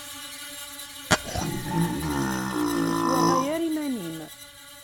Ur swiɣay ara iman-im.